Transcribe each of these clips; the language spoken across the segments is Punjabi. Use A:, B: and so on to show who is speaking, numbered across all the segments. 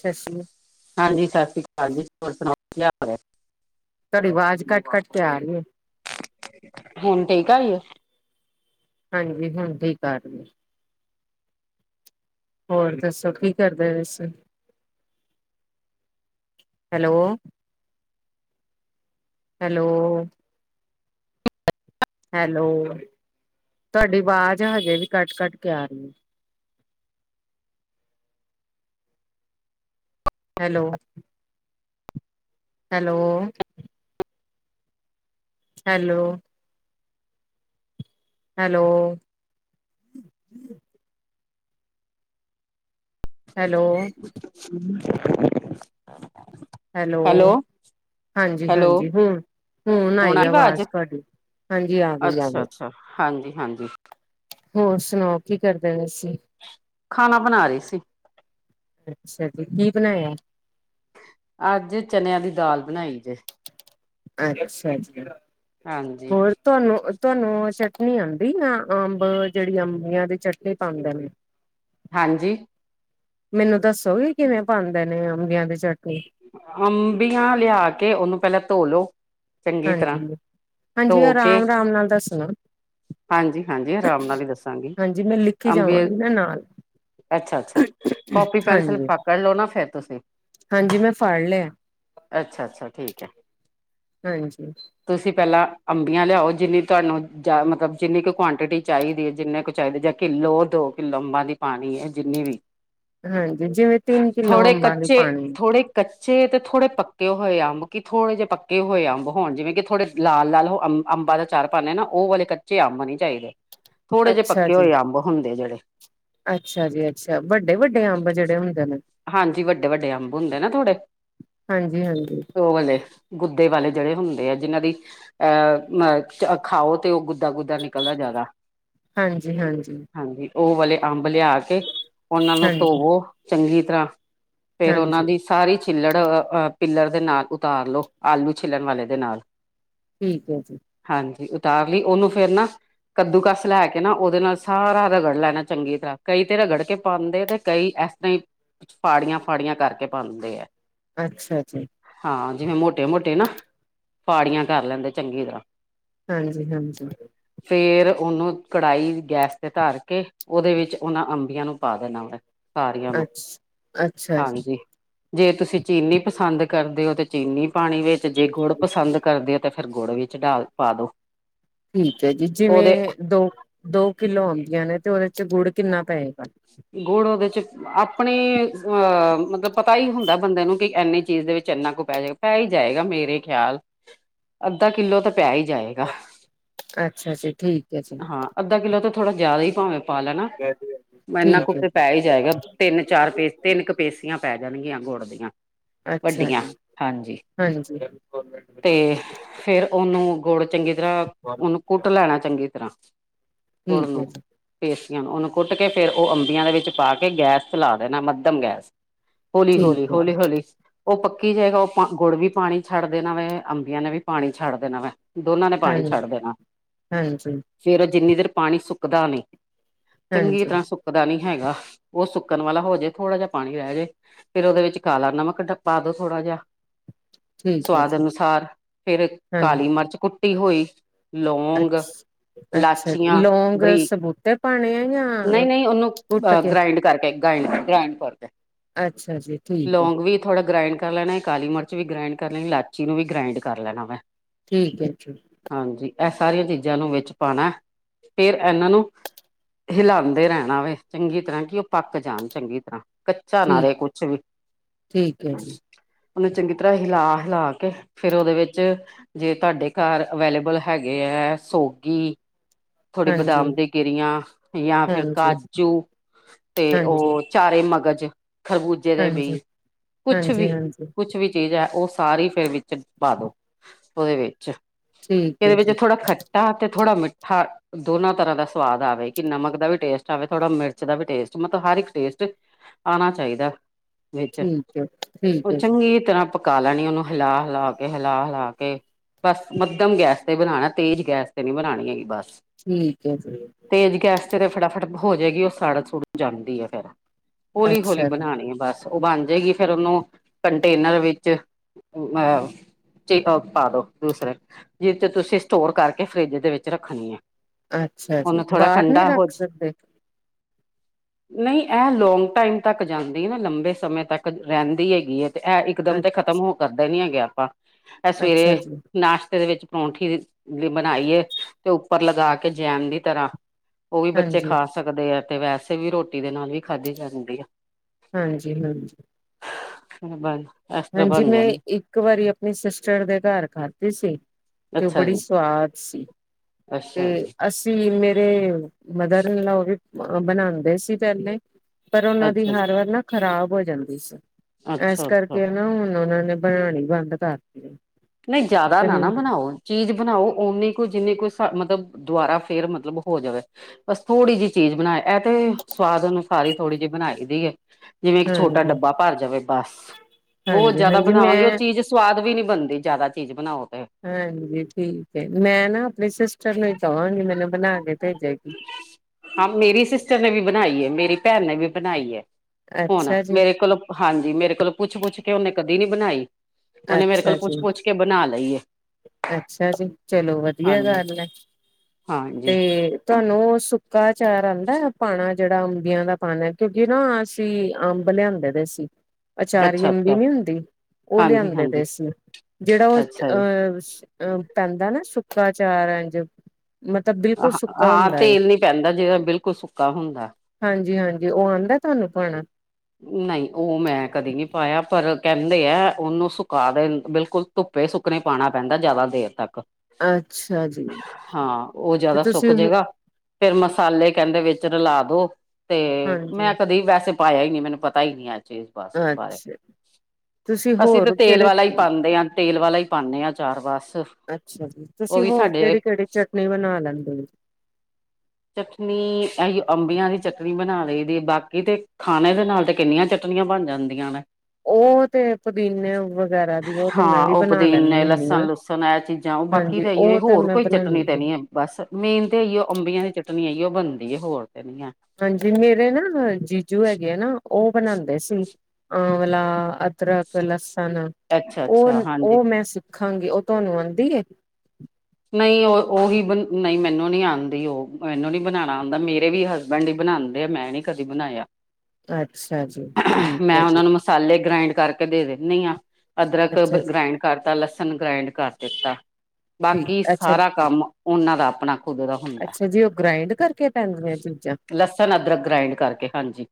A: ਸਸਿ,
B: ਹਾਂਜੀ ਸਤਿ ਸ਼੍ਰੀ ਕਾਲ ਜੀ ਹੋਰ ਸੁਣਾਓ ਕੀ ਹਾਲ ਹੈ।
A: ਤੁਹਾਡੀ ਆਵਾਜ਼ ਕੱਟ-ਕੱਟ ਕੇ ਆ ਰਹੀ ਏ।
B: ਹੁਣ ਠੀਕ ਆਈ ਏ।
A: ਹਾਂਜੀ-ਹਾਂਜੀ ਹੁਣ ਠੀਕ ਆ ਰਹੀ ਐ ਹੋਰ ਦੱਸੋ ਕੀ ਕਰਦੇ ਪਏ ਸੀ, ਹੈਲੋ। ਹੈਲੋ। ਹੈਲੋ, ਤੁਹਾਡੀ ਆਵਾਜ਼ ਹਜੇ ਵੀ ਕੱਟ-ਕੱਟ ਕਿ ਆ ਰਹੀ ਐ। Hello. Hello. Hello. Hello. Hello.
B: [unintelligible]
A: Hello.
B: Hello
A: ਹਾਂਜੀ-ਹਾਂਜੀ, ਹੂੰ ਹੁਣ ਆਈ ਆਵਾਜ਼ ਤੁਹਾਡੀ ਹਾਂਜੀ ਆ ਗਈ- ਆ ਗਈ।
B: ਹ ਹਾਂਜੀ-ਹਾਂਜੀ।
A: ਹੋਰ ਸੁਣਾਓ ਕੀ ਕਰਦੇ ਪਏ ਸੀ।
B: ਖਾਣਾ ਬਣਾ ਰਈ ਸੀ।
A: ਅੱਛਾ ਜੀ, ਕੀ ਬਣਾਇਆ?
B: ਅੱਜ ਚਨਿਆਂ ਦੀ ਦਾਲ ਬਣਾਈ ਜੇ।
A: ਅੱਛਾ ਜੀ,
B: ਹਾਂਜੀ
A: ਹੋਰ ਤੋਹਾਨੂੰ ਤੁਹਾਨੂੰ ਚਟਨੀ ਆਂਦੀ ਆ, ਅੰਬ ਜਿਹੜੀ ਅੰਬੀਆਂ ਦੀ ਚਟਨੀ ਪਾਦੇ ਨੇ?
B: ਹਾਂਜੀ।
A: ਮੈਨੂੰ ਦੱਸੋਗੇ ਕਿਵੇਂ ਪਾਂਦੇ ਨੇ ਅ ਅੰਬੀਆਂ ਦੀ ਚਟਨੀ।
B: ਅੰਬੀਆਂ ਲਿਆ ਕੇ ਉਹਨੂੰ ਪਹਿਲਾਂ ਧੋਲੋ
A: ਹਾਂਜੀ-ਹਾਂਜੀ ਆਰਾਮ-ਆਰਾਮ ਨਾਲ ਦੱਸਣਾ।
B: ਹਾਂਜੀ-ਹਾਂਜੀ ਆਰਾਮ ਨਾਲ ਈ ਦੱਸਾਂਗੀ
A: ਹਾਂਜੀ ਮੈਂ ਲਿਖੀ
B: ਅੰਬੀ
A: ਜਾਵਾਂਗੀ ਨਾ ਨਾਲ
B: ਅੱਛਾ-ਅੱਛਾ ਕੌਪੀ ਪੈਨਸਿਲ
A: ਹਾਂਜੀ
B: ਪਕੜ ਲਉ ਨਾ, ਫਿਰ ਤੁਸੀਂ
A: ਹਾਂਜੀ ਮੈਂ ਫੜ ਲਿਆ।
B: ਅੱਛਾ-ਅੱਛਾ ਠੀਕ ਐ।
A: ਹਾਂਜੀ
B: ਤੁਸੀਂ ਪਹਿਲਾਂ ਅੰਬੀਆਂ ਲਿਆਓ ਜਿੰਨੀ ਤੁਹਾਨੂੰ ਜਾ ਮਤਲਬ ਜਿੰਨੀ ਕੁ ਕੁਆਂਟਿਟੀ ਚਾਈਦੀ ਐ, ਜਿੰਨੇ ਕੁ ਚਾਇ ਕਿੱਲੋ, ਦੋ ਕਿੱਲੋ ਅੰਬਾਂ ਦੀ ਪਾਨੀ ਐ ਜਿੰਨੀ ਵੀ
A: ਹਾਂਜੀ ਜਿਵੇਂ ਤਿੰਨ ਕਿੱਲੋ
B: ਥੋੜੇ
A: ਅੰਬਾਂ ਦੀ
B: ਕੱਚੇ
A: ਪਾਨੀ।
B: ਥੋੜੇ ਕੱਚੇ ਤੇ ਥੋੜੇ ਪੱਕੇ ਹੋਏ ਅੰਬ, ਕੀ ਥੋੜੇ ਜਿਹੇ ਪੱਕੇ ਹੋਏ ਅੰਬ ਹੋਣ ਜਿਵੇਂ ਕਿ ਥੋੜੇ ਲਾਲ- ਲਾਲ ਉਹ ਅੰਬ, ਅੰਬਾਂ ਦਾ ਚਾਰ ਪਾਣੇ ਆ ਨਾ ਉਹ ਵਾਲੇ ਕੱਚੇ ਅੰਬ ਨੀ ਚਾਈਦੇ। ਥੋੜੇ ਜੇ
A: ਅੱਛਾ
B: ਪੱਕੇ
A: ਜੀ
B: ਹੋਏ ਅੰਬ ਹੁੰਦੇ ਆ ਜਿਹੜੇ।
A: ਅੱਛਾ ਜੀ ਅੱਛਾ ਵੱਡੇ -ਵੱਡੇ ਅੰਬ ਜਿਹੜੇ ਹੁੰਦੇ ਨੇ।
B: ਹਾਂਜੀ ਵੱਡੇ ਵੱਡੇ ਅੰਬ ਹੁੰਦੇ ਨਾ ਥੋੜੇ,
A: ਹਾਂਜੀ ਹਾਂਜੀ
B: ਉਹ ਵਾਲੇ ਗੁੱਦੇ ਵਾਲੇ ਜਿਹੜੇ ਹੁੰਦੇ ਆ ਜਿਹਨਾਂ ਦੀ ਅ ਖਾਓ ਤੇ ਉਹ ਗੁੱਦਾ- ਗੁੱਦਾ ਨਿਕਲਦਾ ਜਿਆਦਾ।
A: ਹਾਂਜੀ- ਹਾਂਜੀ।
B: ਹਾਂਜੀ ਉਹ ਵਾਲੇ ਅੰਬ ਲਿਆ ਕੇ, ਉਹਨਾਂ ਨੂੰ
A: ਹਾਂਜੀ
B: ਧੋਵੋ ਚੰਗੀ ਤਰ੍ਹਾਂ। ਫਿਰ ਉਹਨਾਂ
A: ਹਾਂਜੀ
B: ਦੀ ਸਾਰੀ ਛਿੱਲੜ ਪਿੱਲਰ ਦੇ ਨਾਲ ਉਤਾਰ ਲੋ, ਆਲੂ ਛਿੱਲਣ ਵਾਲੇ ਦੇ ਨਾਲ।
A: ਠੀਕ ਐ ਜੀ।
B: ਹਾਂਜੀ, ਉਤਾਰ ਲੀ ਉਹਨੂੰ ਫਿਰ ਨਾ ਕੱਦੂ ਕੱਸ ਲੈ ਕੇ ਨਾ ਉਹਦੇ ਨਾਲ ਸਾਰਾ ਰਗੜ ਲੈਣਾ ਚੰਗੀ ਤਰ੍ਹਾਂ, ਕਈ ਤੇ ਰਗੜ ਕੇ ਪਾਂਦੇ ਐ ਤੇ ਕਈ ਐਸ ਕਈ ਫਾੜੀਆਂ -ਫਾੜੀਆਂ ਕਰਕੇ ਪਾਂਦੇ ਐ।
A: ਅੱਛਾ ਜੀ।
B: ਹਾਂ ਜਿਵੇਂ ਮੋਟੇ -ਮੋਟੇ ਨਾ, ਫਾੜੀਆਂ ਕਰ ਲੈਂਦੇ ਚੰਗੀ ਤਰ੍ਹਾਂ।
A: ਹਾਂਜੀ -ਹਾਂਜੀ।
B: ਫੇਰ ਉਹਨੂੰ ਕੜਾਈ ਗੈਸ ਤੇ ਧਰ ਕੇ ਉਹਦੇ ਵਿੱਚ ਉਹਨਾਂ ਅੰਬੀਆਂ ਨੂੰ ਪਾ ਦੇਣਾ ਵੈ, ਸਾਰੀਆਂ ਨੂੰ
A: ਅੱਛਾ ਅੱਛਾ ਜੀ
B: ਹਾਂਜੀ, ਜੇ ਤੁਸੀਂ ਚੀਨੀ ਪਸੰਦ ਕਰਦੇ ਓ ਤੇ ਚੀਨੀ ਪਾਣੀ ਵਿੱਚ, ਜੇ ਗੁੜ ਪਸੰਦ ਕਰਦੇ ਆ ਤਾ ਫਿਰ ਗੁੜ ਵਿੱਚ ਡਾਲ ਪਾ ਦੋ।
A: ਠੀਕ ਐ ਜੀ,
B: ਉਹਦੇ
A: ਜਿਵੇਂ ਦੋ- ਦੋ ਕਿੱਲੋ ਹੁੰਦੀਆਂ ਨੇ ਤੇ ਉਹਦੇ ਚ ਗੁੜ ਕਿੰਨਾ ਪਏਗਾ।
B: ਗੁੜ ਉਹਦੇ ਚ ਆਪਣੇ ਅਹ ਮਤਲਬ ਪਤਾ ਈ ਹੁੰਦਾ ਬੰਦੇ ਨੂੰ ਕਿ ਏਨੀ ਚੀਜ਼ ਦੇ ਵਿੱਚ ਐਨਾ ਕੋ ਪੈ ਜੇ, ਪੈ ਈ ਜਾਏਗਾ ਮੇਰੇ ਖਿਆਲ ਅੱਧਾ ਕਿੱਲੋ ਤਾਂ ਪੈ ਈ ਜਾਏ
A: [unintelligible] ਅੱਛਾ ਜੀ ਠੀਕ ਹੈ ਜੀ।
B: ਹਾਂ ਅੱਧਾ ਕਿੱਲੋ ਤੋਂ ਥੋੜ੍ਹਾ ਜਾਏਦਾ ਈ ਭਾਵੇ ਪਾ ਲੈਣਾ।
A: [unintelligible]
B: ਐਨਾ ਕੁ
A: ਠੀਕ ਹੈ
B: ਤੇ
A: ਜੀ
B: ਪੈ ਈ ਜਾਏਗਾ ਤਿੰਨ, ਚਾਰ ਪੇਸ ਤਿੰਨ ਕੁ ਪੇਸੀਆਂ ਪੈ ਜਾਣਗੀਆਂ ਗੁੜ ਦੀਆਂ।
A: ਅੱਛਾ
B: ਵੱਡੀਆਂ
A: ਜੀ
B: ਹਾਂਜੀ
A: [inaudible] ਹਾਂਜੀ [unintelligible]
B: ਫ਼ੇਰ ਉਹਨੂੰ ਗੁੜ ਚੰਗੀ ਤਰ੍ਹਾਂ ਉਹਨੂੰ ਕੁੱਟ ਲੈਣਾ ਚੰਗੀ ਤਰ੍ਹਾਂ ਗੁੜ
A: ਠੀਕ ਹੈ
B: ਨੂੰ,
A: ਜੀ
B: ਪੇਸੀਆਂ ਨੂੰ, ਉਹਨੂੰ ਕੁੱਟ ਕੇ ਫੇਰ ਉਹ ਅੰਬੀਆਂ ਦੇ ਵਿੱਚ ਪਾ ਕੇ ਗੈਸ ਚਲਾ ਦੇਣਾ ਮੱਧਮ ਗੈਸ। ਹੌਲੀ-ਹੌਲੀ,
A: ਠੀਕ ਹੈ
B: ਹੌਲੀ-ਹੌਲੀ। ਉਹ ਪੱਕੀ ਜਾਏਗਾ ਉਹ ਪਾ ਗੁੜ ਵੀ ਪਾਣੀ ਛੱਡ ਦੇਣਾ ਵੇ, ਅੰਬੀਆਂ ਨੇ ਵੀ ਪਾਣੀ ਛੱਡ ਦੇਣਾ ਵੇ। ਦੋਨਾਂ ਨੇ ਪਾਣੀ
A: ਹਾਂਜੀ
B: ਛੱਡ ਦੇਣਾ।
A: ਹਾਂਜੀ
B: ਫੇਰ ਜਿੰਨੀ ਦੇਰ ਪਾਣੀ ਸੁੱਕਦਾ ਨਈ [inaudible] ਚੰਗੀ
A: ਹਾਂਜੀ
B: ਤਰ੍ਹਾਂ ਸੁੱਕਦਾ ਨਹੀ ਹੈਗਾ, ਉਹ ਸੁੱਕਣ ਵਾਲਾ ਹੋਜੇ ਥੋੜ੍ਹਾ ਜੇਹਾ ਪਾਣੀ ਰੇਹ ਜੇ ਫੇਰ ਉਹਦੇ ਵਿੱਚ ਕਾਲਾ ਨਮਕ ਢਪਾ ਦੋ ਥੋੜ੍ਹਾ ਜੇਹਾ।
A: ਠੀਕ ਹੈ
B: ਸਵਾਦ
A: ਜੀ
B: ਅਨੁਸਾਰ ਫੇਰ
A: ਹਾਂਜੀ
B: ਕਾਲੀ ਮਰਚ ਕੁੱਟੀ ਹੋਈ। ਲੌਂਗ,
A: ਅੱਛਾ ਅੱਛਾ
B: ਲਾਂਚੀਆਂ
A: ਲੌਂਗ
B: ਬਰੀਕ
A: ਸਬੂਤੇ ਪਾਣੇ ਆ
B: [inaudible]
A: ਜਾਂ
B: ਨਈ-ਨਈ ਨੂੰ
A: ਕੁੱਟ
B: ਅਹ
A: ਕੇ
B: ਗਰਾਈਡ ਕਰਕੇ ਗਾਈਂਡ, ਗਰਾਈਡ ਕਰਕੇ
A: ਅੱਛਾ ਜੀ
B: [inaudible]
A: ਠੀਕ ਹੈ
B: ਲੌਗ ਵੀ ਥੋੜਾ ਗ੍ਰਾਇੰਡ ਕਰ ਲੈਣਾ, ਕਾਲੀ ਮਿਰਚ ਵੀ ਗ੍ਰਾਇੰਡ ਕਰ ਲੈਣੀ, ਇਲਾਚੀ ਨੂੰ ਵੀ ਗ੍ਰਾਇੰਡ ਕਰ ਲੈਣਾ ਵੈਂ।
A: ਠੀਕ ਐ ਜੀ।
B: ਹਾਂਜੀ ਏਹ ਸਾਰੀਆਂ ਚੀਜ਼ਾਂ ਨੂੰ ਵਿੱਚ ਪਾਣਾ ਏ ਫੇਰ ਏਹਨਾਂ ਨੂੰ ਹਿਲਾਂਦੇ ਰੇਹਣਾ ਵੇ ਚੰਗੀ ਤਰ੍ਹਾਂ ਕਿ ਉਹ ਪੱਕ ਜਾਣ ਚੰਗੀ ਤਰ੍ਹਾਂ। ਕੱਚਾ ਨਾ
A: ਠੀਕ
B: ਰਏ ਕੁਛ ਵੀ [inaudible]
A: ਠੀਕ ਹੈ ਜੀ
B: ਉਹਨੂੰ ਚੰਗੀ ਤਰ੍ਹਾਂ ਹਿਲਾ-ਹਿਲਾ ਕੇ ਫੇਰ ਉਹਦੇ ਵਿੱਚ ਜੇ ਤੁਆਡੇ ਕਾਰ ਅਵੇਲੇਬਲ ਹੈਗੇ ਐ ਸੋਗੀ ਥੋੜੀ
A: ਹਾਂਜੀ
B: ਬਦਾਮ ਦੀ ਗਿਰੀਆਂ ਯਾ ਫਿਰ
A: ਹਾਂਜੀ
B: ਕਾਜੂ ਤੇ
A: ਹਾਂਜੀ ਹਾਂਜੀ
B: ਉਹ ਚਾਰੇ ਮਗਜ਼ ਖਰਬੂਜੇ ਦੇ ਬੀ ਕੁੱਛ ਵੀ,
A: ਹਾਂਜੀ ਹਾਂਜੀ
B: ਕੁਛ ਵੀ ਚੀਜ਼ ਆ ਉਹ ਸਾਰੀ ਫਿਰ ਵਿੱਚ ਪਾ ਦੋ ਉਹਦੇ ਵਿੱਚ [inaudible]
A: ਠੀਕ
B: ਏਹਦੇ
A: ਹੈ ਜੀ
B: ਵਿੱਚ ਥੋੜਾ ਖੱ ਟਾ ਤੇ ਥੋੜਾ ਮਿੱਠਾ ਦੋਨਾਂ ਤਰ੍ਹਾਂ ਦਾ ਸਵਾਦ ਆਵੇ ਕਿ ਨਮਕ ਦਾ ਵੀ ਟੇਸਟ ਚਾਵੇ ਥੋੜਾ ਮਿਰਚ ਦਾ ਵੀ ਟੇਸਟ ਮਤਲਬ ਹਰ ਇੱਕ ਟੇਸਟ ਆਣਾ ਚਾਈਦਾ ਏ। ਵਿੱਚ
A: ਠੀਕ ਹੈ,
B: [inaudible]
A: ਠੀਕ
B: ਉਹ
A: ਹੈ ਜੀ,
B: ਚੰਗੀ ਤਰ੍ਹਾਂ ਪ ਕਾਲਾ ਨੀ ਉਹਨੂੰ ਹਿਲਾ-ਹਿਲਾ ਕੇ, ਹਿਲਾ-ਹਿਲਾ ਕੇ ਬਸ ਮੱਧਮ ਗੈਸ ਤੇ ਬਣਾਣਾ ਏ ਤੇਜ਼ ਗੈਸ ਤੇ ਨਈ ਬਣਾਨੀ ਹੈਗੀ ਬਸ।
A: ਠੀਕ ਐ ਫਿਰ।
B: ਤੇਜ਼ ਗੈਸ ਤੇ-ਤੇ ਫਟਾਫਟ ਹੋ ਜਾਏਗੀ ਉਹ ਸੜ ਸੁੜ ਜਾਂਦੀ ਹੈ ਫੇਰ। ਹੌਲੀ-ਹੌਲੀ
A: ਅੱਛਾ ਜੀ।
B: ਬਣਾਣੀ ਏ ਬਸ। ਉਹ ਬਣ ਜਾਏਗੀ ਫੇਰ ਉਹਨੂੰ ਕੰਟੇਨਰ ਵਿੱਚ ਅਹ ਚੀ ਅ ਪਾ ਦੋ ਦੂਸਰੇ ਜਿਹਦੇ ਚ ਤੁਸੀਂ ਸਟੋਰ ਕਰਕੇ ਫਰਿੱਜ ਦੇ ਵਿੱਚ ਰੱਖਣੀ ਏ।
A: ਅੱਛਾ ਜੀ, ਬਾਹਰ ਨਈ ਰੱਖ ਸਕਦੇ?
B: ਨਈ ਏਹ ਲੋਂਂਗ ਟਾਈਮ ਤੱਕ ਜਾਂਦੀ ਮੈਂ ਲੰਬੇ ਸਮੇਂ ਤੱਕ ਰੇਹੰਦੀ ਹੈਗੀ ਏ ਤੇ ਏਹ ਇੱਕ ਇਕਦਮ
A: ਅ
B: ਤੇ ਖ਼ਤਮ ਹੋ ਕਰਦੇ ਨੀ ਹੈਗੇ ਆਪਾਂ, ਏਹ
A: ਅੱਛਾ
B: ਸਵੇਰੇ
A: ਜੀ,
B: ਨਾਸ਼ਤੇ ਦੇ ਵਿੱਚ ਪਰੋਂਂਠੀ ਦੀ ਬਣਾਈ ਏ ਤੇ ਉੱਪਰ ਲਗਾ ਕੇ ਜੈਮ ਦੀ ਤਰ੍ਹਾਂ ਉਹ ਵੀ ਬੱਚੇ
A: ਹਾਂਜੀ।
B: ਖਾ ਸਕਦੇ ਐ ਤੇ ਵੈਸੇ ਵੀ ਰੋਟੀ ਦੇ ਨਾਲ ਵੀ ਖਾਧੀ ਜਾਂਦੀ ਆ।
A: ਹਾਂਜੀ-ਹਾਂਜੀ।
B: [unintelligible]
A: ਹਾਂਜੀ
B: ਬਣ
A: ਮੈਂ
B: ਜਾਂਦਾ
A: ਇੱਕ ਵਾਰੀ ਅਪਣੀ ਸਿਸਟਰ ਦੇ ਕਾਰ ਖਾਧੀ ਸੀ। ਤੇ ਓ
B: ਅੱਛਾ
A: ਬੜੀ
B: ਜੀ
A: ਸਵਾਦ ਸੀ।
B: ਅੱਛਾ ਜੀ।
A: ਤੀ, ਮੇਰੇ ਮਦਰ-ਇਨ-ਲਓ ਵੀ ਅ ਬਣਾਂਦੇ ਸੀ ਪਹਿਲੇ। ਪਰ ਉਹਨਾਂ ਦੀ
B: ਅੱਛਾ
A: ਹਰ ਵਾਰ ਨਾ ਖ਼ਰਾਬ ਹੋ ਜਾਂਦੀ ਸੀ, ਇਸ
B: ਅੱਛਾ
A: ਕਰਕੇ
B: ਅੱਛਾ
A: ਨਾਂ ਹੁਣ ਉਹਨਾਂ ਨੇ ਬਣਾਉਣੀ ਬੰਦ ਕਰਤੀ।
B: ਨਈ, ਜਾਦਾ ਨਾ, ਨਾ
A: ਹਾਂਜੀ,
B: ਬਣਾਓ। ਚੀਜ਼ ਬਣਾਓ ਓਨੀ ਕੂ, ਜਿੰਨੀ ਕੂ ਸਾਂ, ਮਤਲਬ ਦੁਬਾਰਾ ਫੇਰ, ਮਤਲਬ ਹੋ ਜਾਵੇ। ਬਸ ਥੋੜ੍ਹੀ ਜੀ ਚੀਜ਼ ਬਣਾਏ ਐ ਤੇ ਸਵਾਦ ਅਨੁਸਾਰ ਈ ਥੋੜ੍ਹੀ ਜੀ ਬਣਾਈ ਦੀ ਏ। ਜਿਵੇਂ ਇੱਕ ਛੋਟਾ
A: ਹਾਂਜੀ,
B: ਡੱਬਾ ਭਰ ਜਾਵੇ ਬਸ, ਬਹੁਤ
A: ਹਾਂਜੀ,
B: ਜਾਦਾ
A: ਹਾਂਜੀ
B: ਬਣਾਵਾਂਗੇ ਓ
A: ਮੈਂ
B: ਚੀਜ਼ ਸਵਾਦ ਵੀ ਨੀ ਬਣਦੀ, ਜਿਆਦਾ ਚੀਜ਼ ਬਣਾਓ ਤੇ।
A: ਹਾਂਜੀ, ਠੀਕ ਐ, ਮੈਂ ਨਾ ਆਪਣੀ ਸਿਸਟਰ ਨੂੰ ਈ ਕਾਵਾਂਗੀ, ਮੈਨੂੰ ਬਣਾ ਕੇ ਭੇਜੇਗੀ।
B: ਹਾਂ ਮੇਰੀ ਸਿਸਟਰ ਨੇ ਵੀ ਬਣਾਈ ਏ, ਮੇਰੀ ਭੈਣ ਨੇ ਵੀ ਬਣਾਈ ਏ। ਹੁਣ
A: ਅੱਛਾ ਜੀ
B: ਮੇਰੇ ਕੋਲੋਂ, ਹਾਂਜੀ, ਮੇਰੇ ਕੋਲੋਂ ਪੁੱਛ-ਪੁੱਛ ਕੇ ਓਨੇ ਕਦੀ ਨੀ ਬਣਾਈ। ਓਨੇ ਮੇਰੇ ਕੋਲੋ
A: ਅੱਛਾ ਜੀ
B: ਪੁੱਛ-ਪੁੱਛ ਕੇ ਬਣਾ ਲਈਏ।
A: ਅੱਛਾ ਜੀ, ਚਲੋ, ਵਧੀਆ
B: ਹਾਂਜੀ
A: ਗੱਲ ਆ,
B: ਹਾਂਜੀ
A: ਤੇ ਤੁਹਾਨੂੰ ਓ ਸ ਕਾ ਅਚਾਰ ਆਉਂਦਾ ਆ ਪਾਣਾ? ਜਿਹੜਾ ਅੰਬੀਆਂ ਦਾ ਪਾਣਾ, ਕਿਉਂਕਿ ਨਾ ਅਸੀਂ ਅੰਬ ਲਿਆਂਦੇ ਦੇ ਸੀ। ਅਚਾਰੀ
B: ਅੱਛਾ
A: ਅੰਬੀ
B: ਅੱਛਾ
A: ਨੀ ਹੁੰਦੀ, ਓ
B: ਹਾਂਜੀ
A: ਲਿਆਂਦੇ ਪਏ
B: ਹਾਂਜੀ
A: ਸੀ, ਜਿਹੜਾ ਓ
B: ਅੱਛਾ ਜੀ
A: ਅਹ ਸ਼ ਅਹ ਪੈਂਦਾ ਨਾ, ਸੁੱਕਾ ਅਚਾਰ ਏਂਝ
B: ਹ ਹਾਂ, ਤੇਲ ਨੀ ਪੈਂਦਾ, ਜਿਹੜਾ ਬਿਲਕੁਲ ਸੁੱਕਾ ਹੁੰਦਾ।
A: ਹਾਂਜੀ-ਹਾਂਜੀ, ਓ ਆਉਂਦਾ ਤਾਣੁ ਪਾਣਾ
B: ਨਹੀਂ, ਉਹ ਮੈਂ ਕਦੀ ਨੀ ਪਾਇਆ, ਪਰ ਕਹਿੰਦੇ ਆ ਉਹਨੂੰ ਸੁਕਾ ਦੇ ਬਿਲਕੁਲ ਧੁੱਪੇ ਸੁੱਕਣੇ ਪਾਣਾ ਪੈਂਦਾ ਜਾਦਾ ਦੇਰ ਤੱਕ।
A: ਅੱਛਾ ਜੀ
B: ਹਾਂ, ਓ
A: ਤੇ
B: ਜਾਦਾ ਸੁੱਕ
A: ਤੁਸੀਂ
B: ਜੇਗਾ ਫੇਰ ਮਸਾਲੇ ਕਹਿੰਦੇ ਵਿੱਚ ਰਲਾ ਦੋ, ਤੇ
A: ਹਾਂਜੀ
B: ਮੈਂ ਕਦੀ ਵੈਸੇ ਪਾਇਆ ਈ ਨੀ, ਮੈਂਨੂੰ ਪਤਾ ਈ ਨੀ ਐ ਚੀਜ਼ ਵਾਸੇ ਬਾਰੇ,
A: ਅੱਛਾ ਤੁਸੀਂ
B: ਅਸੀਂ ਤਾਂ
A: ਹੋਰ
B: ਤੇਲ
A: ਕਿਹੜੇ
B: ਵਾਲਾ ਈ ਪਾਂਦੇ ਆਂ। ਤੇਲ ਵਾਲਾ ਈ ਪਾਣੇਂ ਆਂ ਅਚਾਰ ਬਸ।
A: ਅੱਛਾ ਜੀ,
B: ਉਹ
A: ਤੁਸੀਂ
B: ਵੀ
A: ਹੋਰ
B: ਸਾਡੇ
A: ਕਿਹੜੀ-ਕਿਹੜੀ ਚਟਨੀ ਬਣਾ ਲੈਂਦੇ ਜੇ?
B: ਚਟਨੀ ਏਹੀ ਅੰਬੀਆਂ ਦੀ ਚਟਣੀ ਬਣਾ ਲਈਦੀ, ਬਾਕੀ ਤੇ ਖਾਣੇ ਦੇ ਨਾਲ਼ ਤੇ ਕਿੰਨੀਆਂ ਚੱਟਣੀਆਂ ਬਣ ਜਾਂਦੀਆਂ ਨੇ।
A: ਓ ਤੇ ਪੁਦੀਨੇ ਵਗੈਰਾ ਦੀ, ਓ ਤੇ ਮੈਂ ਵੀ ਬਣਾ ਲੈਂਣੀ ਹੁਣੀ ਆਂ।
B: ਸੁਣ, ਏ ਚੀਜ਼ਾਂ, ਓ ਬਾਕੀ ਤਾਂ ਏ ਈ ਏ, ਹੋਰ ਕੋਈ ਚਟਣੀ ਤਾਂ
A: ਬਣਾਉਦੀ
B: ਨੀ ਐ। ਬਸ ਮੇਨ ਤੇ ਏ ਈ ਓ, ਅੰਬੀਆਂ ਦੀ ਚਟਨੀ ਏ ਈ ਓ ਬਣਦੀ, ਹੋਰ ਤੇ ਨੀ ਹੈ।
A: ਹਾਂਜੀ, ਮੇਰੇ ਨਾ ਜੀਜੂ ਹੈਗੇ ਆ ਨਾ, ਓ ਬਣਾਂਦੇ ਸੀ। ਆਂਵਲਾ, ਅਦਰਕ, ਲਸਣ
B: ਅੱਛਾ
A: ਓ
B: ਅੱਛਾ ਹਾਂਜੀ
A: ਓ ਮੈਂ ਸਿੱਖ ਖਾਂਗੀ ਓ ਤੁਹਾਨੂੰ ਆਂਦੀ ਏ?
B: ਨਈ, ਓ ਓਹੀ ਬੰ--ਨਹੀਂ, ਮੈਨੂੰ ਨੀ ਆਂਦੀ, ਓ ਮੈਨੂੰ ਨੀ ਬਣਾਣਾ ਆਂਦਾ, ਮੇਰੇ ਵੀ ਹਸ ਬੈਂਡੀ ਬਣਾਂਦੇ ਆ, ਮੈਂ ਨੀ ਕਦੀ ਬਣਾਇਆਂ।
A: ਅੱਛਾ ਜੀ ਠੀਕ ਹੈ
B: ਮੈਂ
A: ਜੀ
B: ਉਹਨਾਂ ਨੂੰ ਮਸਾਲੇ ਗ੍ਰਾਇੰਡ ਕਰਕੇ ਦੇ ਦੇਣੀ ਆ। ਅਦਰਕ
A: ਅੱਛਾ ਜੀ
B: ਗ੍ਰਾਇੰਡ ਕਰਤਾ, ਲਸਣ ਗ੍ਰਾਇੰਡ ਕਰ ਦਿੱਤਾ।
A: ਠੀਕ
B: ਬਾਕੀ
A: ਅੱਛਾ
B: ਸਾਰਾ ਕੰਮ ਉਹਨਾਂ ਦਾ ਆਪਣਾ। ਖੁਦ ਦਾ ਹੁੰਦਾ
A: ਅੱਛਾ ਜੀ ਉਹ ਗ੍ਰਾਇੰਡ ਕਰਕੇ ਪੈਂਦੀਆਂ ਚੀਜ਼ਾਂ
B: ਲਸਣ, ਅਦਰਕ ਗ੍ਰਇੰਡ ਕਰਕੇ ਹਾਂਜੀ।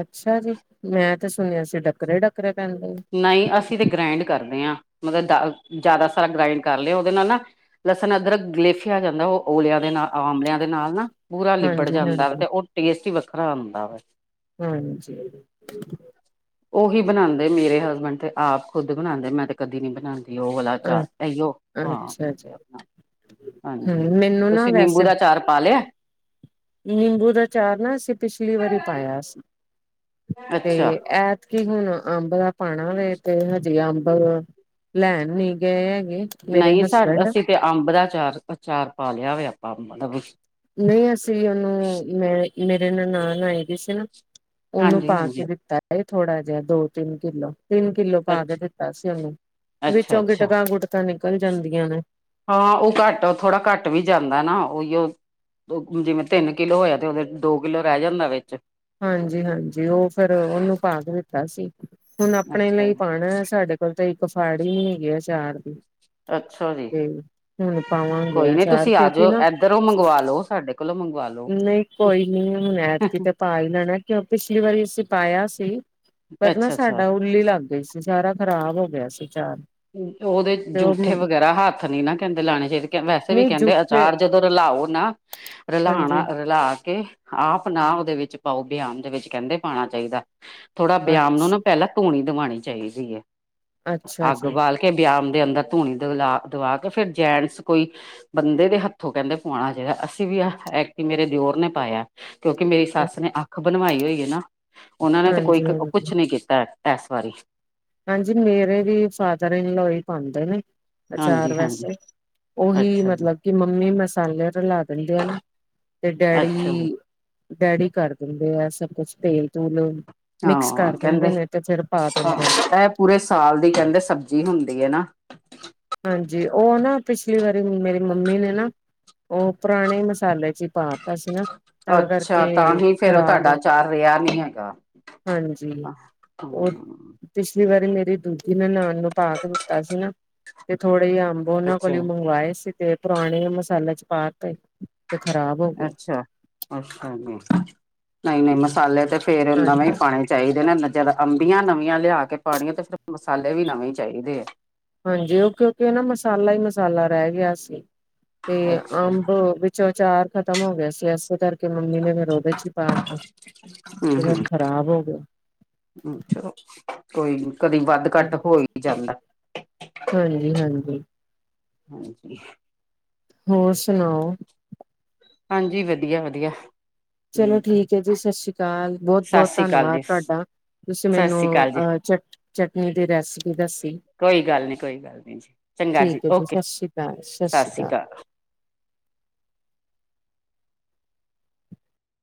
A: ਅੱਛਾ ਜੀ, ਮੈਂ ਤੇ ਸੁਣਿਆ ਸੀ ਡੱਕਰੇ-ਡੱਕਰੇ ਪੈਂਦੇ।
B: ਨਈਂ, ਅਸੀਂ ਤਾਂ ਗ੍ਰਾਇੰਡ ਕਰਦੇ ਆਂ, ਮਤਲਬ ਦਾ ਜਾਦਾ ਸਾਰਾ ਗ੍ਰਾਇੰਡ ਕਰ ਲੇ, ਓਦੇ ਨਾਲ਼ ਨਾ ਲਸਣ, ਅਦਰਕ ਗਲੇਫਿਆਂ ਜਾਂਦਾ, ਓ ਔਲਿਆਂ ਦੇ ਨਾਲ਼, ਆਂਮਲਿਆਂ ਦੇ ਨਾਲ਼ ਨਾ। ਪੂਰਾ ਲਿਬੜ ਜਾਂਦਾ ਵੇ,
A: ਹਾਂਜੀ-ਹਾਂਜੀ,
B: ਤੇ ਓ ਟੇਸਟ ਈਂ ਵੱਖਰਾ ਆਂਦਾ ਵੇ।
A: ਹਾਂਜੀ।
B: ਓਹੀ ਬਣਾਂਦੇ ਮੇਰੇ ਹਸਬੈਂਡ ਤੇ ਆਪ ਖੁਦ ਬਣਾਂਦੇ, ਮੈਂ ਤੇ ਕਦੀਂ ਨੀਂ ਬਣਾਂਦੀ। ਓ ਵਾਲਾ
A: ਅ
B: ਚਾਰ ਇਓ ਹਾਂ।
A: ਅੱਛਾ ਜੀ,
B: ਹਾਂਜੀ,
A: ਹੂੰ ਮੈਨੂੰ ਨਾ
B: ਤੁਸੀਂ ਨਿੰਬੂ
A: ਵੈਸੇ
B: ਦਾ ਆਚਾਰ ਪਾ ਲਿਆ?
A: ਨਿੰਬੂ ਦਾ ਚਾਰ ਨਾ ਅਸੀ ਪਿਛਲੀ ਵਾਰੀ ਪਾਯਾ, ਸੀ
B: ਅੱਛਾ
A: ਤੇ ਐ ਕਿ ਹੁਣ ਅੰਬ ਦਾ ਪਾਣਾ ਵੇ, ਤੇ ਹਜੇ ਅੰਬ ਲੈਣ ਨੀ ਗਏ ਹੈਗੇ। ਮੇਰੇ
B: ਨਈਂ ਸਾਡਾ
A: ਹਸਬੈਂਡ
B: ਅਸੀ ਤੇ ਅੰਬ ਦਾ ਚਾਰ ਆਚਾਰ ਪਾ ਲਿਆ ਵੇ ਆਪਾਂ ਅੰਬ ਦਾ
A: ਨਈਂ, ਅਸੀਂ ਓਨੂੰ ਮੈਂ ਮੇਰੇ ਨਾਲ ਨਨਾਣ ਆਏ ਦੇ ਸੀ ਨਾ ਓਨੂੰ
B: ਹਾਂਜੀ
A: ਪਾਕੇ
B: ਹਾਂਜੀ
A: ਦਿੱਤਾ ਏ ਥੋੜ੍ਹਾ ਜਾ ਦੋ-ਤਿੰਨ ਕਿੱਲੋ। ਤਿੰਨ ਕਿੱਲੋ ਪਾ
B: ਅੱਛਾ
A: ਕੇ ਦਿੱਤਾ ਸੀ ਓਨੂੰ,
B: ਅੱਛਾ
A: ਵਿੱਚੋ
B: ਅੱਛਾ
A: ਗਿਟਕਾਂ-ਗੁਟਕਾਂ ਨਿਕਲ ਜਾਂਦੀਆਂ ਨੇ।
B: ਹਾਂ, ਓ ਘੱਟ ਥੋਰਾ ਘੱਟ ਵੀ ਜਾਂਦਾ ਨਾ ਓਈਓ ਓ ਜਿਵੇਂ ਤਿੰਨ ਕਿੱਲੋ ਹੋਇਆਂ ਤੇ ਓ ਦੋ ਕਿੱਲੋ ਰੈ ਜਾਂਦਾ ਵੇ।
A: ਹਾਂਜੀ-ਹਾਂਜੀ ਓ ਫੇਰ ਓਨੂੰ ਪਾ ਕੇ ਦਿੱਤਾ ਸੀ ਹੁਣ, ਅਪਨੇ
B: ਅੱਛਾ
A: ਲਈ
B: ਜੀ।
A: ਪਾਣੇ ਸਾਡੇ ਇੱਕ ਫਾੜੀ ਨੀਂ ਹੈਗੀ ਆਚਰ ਦੀ।
B: ਅੱਛਾ ਜੀ,
A: ਤੇ ਹੁਨ ਪਾਵਾਂਗੇ
B: ਕੋਈ ਨੀ
A: ਆਚਾਰ,
B: ਤੁਸੀਂ ਆ
A: ਕਿਉਂਕਿ
B: ਜਾਓ
A: ਨਾ
B: ਇੱਧਰੋਂ ਮੰਗਵਾ ਲਓ ਸਾਡੇ ਕੋਲੋਂ ਮੰਗਵਾ ਲਓ।
A: ਨਈਂ ਕੋਈ ਨੀ ਹੁਣ ਐਦਕੀ ਤੇ ਪਾਈ ਦਾ ਨਾ, ਕਿਉਂ ਪਿਛਲੀ ਵਾਰੀ ਅਸੀਂ ਪਾਯਾ ਸੀ ਪਰ ਨਾ
B: ਅੱਛਾ-ਅੱਛਾ।
A: ਸਾਡਾ ਉੱਲੀ ਲੱਗ ਗਈ ਸੀ, ਸਾਰਾ ਖਰਾਬ ਗਿਆ ਸੀ ਚਾਰ।
B: ਓਦੇ ਜੂਠੇ ਵਗੈਰਾ ਹੱਥ ਨੀ ਨਾ ਕੈਂਦੇ ਲਾਣੇ ਚਾਈਦੇ ਵੈਸੇ ਵੀ
A: ਨਹੀਂ
B: ਕਹਿੰਦੇ ਆ
A: ਜੂਠੇ
B: ਚਾਰ ਜਦੋਂ ਰਲਾਓ ਨਾ, ਰਲਾਣਾ
A: ਹਾਂਜੀ
B: ਰਲਾ ਕੇ ਆਪ ਨਾ ਓਦੇ ਵਿੱਚ ਪਾਓ ਬਆਮ ਦੇ ਵਿੱਚ ਕੈਂਦੇ ਪਾਂਣਾ ਚਾਈਦਾ ਥੋੜ੍ਹਾ
A: ਅ
B: ਬਆਮ ਨੂੰ ਨਾ ਪੈਲਾਂ ਧੂਣੀ ਦਵਾਣੀ ਚਾਈਦੀ ਐ।
A: ਅੱਛਾ
B: ਅੱਗ
A: ਜੀ
B: ਬਾਲ ਕੇ ਬੇਆਮ ਦੇ ਅੰਦਰ ਧੂਣੀ ਦਲਾ ਦਵਾ ਕੇ ਫੇਰ ਜੈਂਟਸ ਕੋਈ ਬੰਦੇ ਦੇ ਹੱਥੋਂ ਕੈਂਦੇ ਪੂਆਣਾ ਚਾਈਦਾ ਅਸੀਂ ਵੀ ਆਹ ਐਕਤੀ ਮੇਰੇ ਦਿਓਰ ਨੇ ਪਾਯਾ। ਕਿਉਂਕਿ ਮੇਰੀ ਸੱਸ ਨੇ ਅੱਖ ਬਣਵਾਈ ਹੋਈ ਏਨਾ ਓਨਾਂ ਨੇ ਤਾਂ ਕੋਈ
A: ਹਾਂਜੀ-ਹਾਂਜੀ।
B: ਕੁਛ
A: ਹਾਂਜੀ
B: ਨੀ ਕੀਤੈ। ਐਸ ਵਾਰੀ।
A: ਹਾਂਜੀ, ਮੇਰੇ ਵੀ ਫਾਦਰ ਇਨ ਲੋ ਈ ਪਾਂਦੇ ਨੇ।
B: ਹਾਂਜੀ
A: ਆਚਾਰ
B: ਹਾਂਜੀ
A: ਵੈਸੇ, ਓਹੀ
B: ਅੱਛਾ ਜੀ
A: ਮਤਲਬ ਕਿ ਮੰਮੀ ਮਸਾਲੇ ਰਲਾ ਦਿੰਦੇ ਹਨ, ਤੇ ਡੈਡੀ
B: ਅੱਛਾ ਜੀ
A: ਡੈਡੀ ਕਰ ਦਿੰਦੇ ਆ ਸਭ ਕੁਛ ਤੇਲ-ਤੂਲ ਮਿਕਸ
B: ਹਾਂ
A: ਕਰ ਦਿੰਦੇ
B: ਕਹਿੰਦੇ
A: ਨੇ ਤੇ ਫੇਰ ਪਾ ਦਿੰਦੇ ਨੇ।
B: ਇਹ ਪੂਰੇ ਸਾਲ ਦੀ ਕੈਂਦੇ ਸਬਜ਼ੀ ਹੁੰਦੀ ਏਨਾ।
A: ਹਾਂਜੀ, ਓਨਾ ਪਿਛਲੀ ਵਾਰੀ ਮੇਰੀ ਮੰਮੀ ਨਾ ਓ ਪੁਰਾਣੇ ਮਸਾਲੇ ਚ ਪਾਤਾ ਸੀ ਨਾ, ਤਾਂ ਕਰਕੇ ਖਰਾਬ
B: ਕੋਈ ਆਰ ਨੀਂ ਹੈਗਾ।
A: ਹਾਂਜੀ, ਓ
B: ਹਮ
A: ਪਿਛਲੀ ਮੇਰੀ ਦੂਜੀ ਨੇ ਨਨਾਨ ਨੂੰ ਪਾਕੇ ਦਿੱਤਾ ਸੀ ਨਾ ਤੇ ਥੋੜੇ ਜ ਆ ਓਨਾਂ ਕੋਲ
B: ਅੱਛਾ
A: ਈਂ ਮੰਗਵਾਏ ਸੀ, ਤੇ ਪੁਰਾਣੇ ਮਸਾਲੇ ਚ ਪਾਕੇ ਤੇ ਖਰਾਬ
B: ਅੱਛਾ, ਅੱਛਾ ਜੀ ਨਈਂ ਮਸਾਲੇ ਤੇ ਫੇਰ
A: ਹਾਂਜੀ
B: ਨਵੇਂ ਈਂ ਚਾਈਦੇ ਨੇ ਜਦ ਅੰਬੀਆਂ ਨਵੀਆਂ ਲਿਆ ਕੇ ਪਾਣੀਆਂ ਤੇ ਫਿਰ ਮਸਾਲੇ ਵੀ ਨਵੇਂ ਚਾਈਦੇ ਆ।
A: ਹਾਂਜੀ, ਓ ਕਿਉਂਕਿ ਨਾ ਮਸਾਲਾ ਈ ਮਸਾਲਾ ਰੈ ਗਿਆ ਸੀ ਤੇ
B: ਅੱਛਾ
A: ਅੰਬ ਵਿੱਚ ਚੋ ਚਾਰ ਖਤਮ ਹੋ ਗਯਾ ਸੀ, ਏਸੇ ਕਰਕੇ ਕਿ ਮੰਮੀ ਨੇ ਫੇਰ ਓਦੇ ਚ ਹੀ ਪਾਤਾ, ਤੇ ਫਿਰ ਖ਼ਰਾਬ ਹੋ ਗਯਾ।
B: ਅੱਛਾ, ਕੋਈ ਨੀ। ਕਦੀ ਵੱਧ ਘੱਟ ਹੋ ਹੀ ਜਾਂਦਾ।
A: ਹਾਂਜੀ ਹਾਂਜੀ।
B: ਹਾਂਜੀ।
A: ਹੋਰ ਸੁਣਾਓ।
B: ਹਾਂਜੀ, ਵਧੀਆ- ਵਧੀਆ।
A: ਚਲੋ ਠੀਕ ਐ ਜੀ ਸਸ਼੍ਰੀ ਅਕਾਲ, ਬਹੁਤ-
B: ਸਤਿ
A: ਬਹੁਤ
B: ਸ੍ਰੀ ਅਕਾਲ
A: ਧੰਨਵਾਦ
B: ਜੀ
A: ਤਾਡਾ
B: ਸਤਿ
A: ਤੁਸੀਂ ਮੈਨੂੰ
B: ਸ੍ਰੀ ਅਕਾਲ ਜੀ
A: ਅਹ, ਚਟ, ਚਟਨੀ ਦੀ ਰੈਸਿਪੀ ਦੱਸੀ?
B: ਕੋਈ ਗੱਲ ਨੀ, ਕੋਈ ਗੱਲ ਨੀ ਜੀ, ਚੰਗਾ ਜੀ
A: ਠੀਕ ਹੈ
B: ਓਕੇ
A: ਸਤਿ ਸ਼੍ਰੀ ਅਕਾਲ ਸਤਿ ਸ਼੍ਰੀ
B: ਸਾਸ੍ਰੀ ਅਕਾਲ।